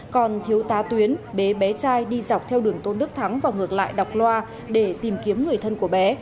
còn thiếu tá tuyến bé trai đi dọc theo đường tôn đức thắng và ngược lại đọc loa để tìm kiếm người thân của bé